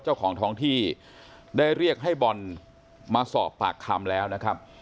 เจ้าของท้องที่ได้เรียกให้บอลมาสอบปากคำแล้วนะครับ